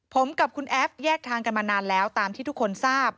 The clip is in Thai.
ผมกับคุณแอฟแยกทางกันมานานแล้วตามที่ทุกคนทราบ